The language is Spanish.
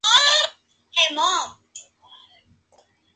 Es una mata no rastrera.